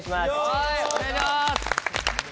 はいお願いします。